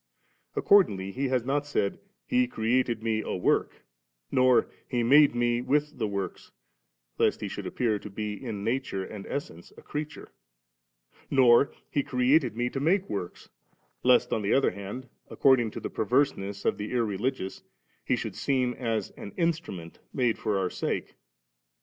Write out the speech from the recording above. Accordingly He has not said, * He created Me a work,' nor * He made Me with the works,' lest He should appear to be in nature and essence^ a creature; nor, * He created Me to make works,* lest, on the other hand, according to the perverseness of the irreligious, He should seem as an in strument 7 made for our sake.